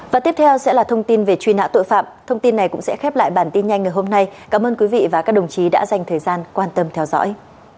và tiếp theo sẽ là thông tin về truy nã tội phạm thông tin này cũng sẽ khép lại bản tin nhanh ngày hôm nay cảm ơn quý vị và các đồng chí đã dành thời gian quan tâm theo dõi